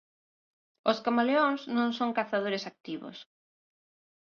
Os camaleóns non son cazadores activos.